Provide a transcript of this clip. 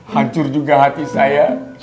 hancur juga hati saya